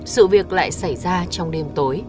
sự việc lại xảy ra trong đêm tối